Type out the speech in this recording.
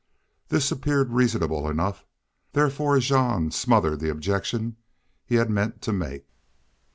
This appeared reasonable enough, therefore Jean smothered the objection he had meant to make.